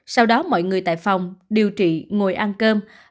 sau đó mọi người tại phòng điều trị ngồi ăn cơm